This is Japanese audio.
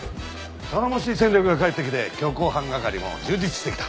頼もしい戦力が帰ってきて強行犯係も充実してきた。